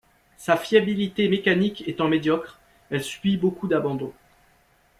Sa fiabilité mécanique étant médiocre, elle subit beaucoup d'abandons.